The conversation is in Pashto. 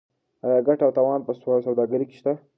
آیا ګټه او تاوان په سوداګرۍ کې شته؟